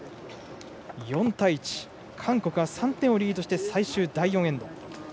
４対１と韓国が３点リードして最終第４エンド。